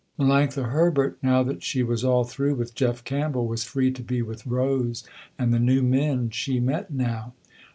Melanctha Herbert, now that she was all through with Jeff Campbell, was free to be with Rose and the new men she met now.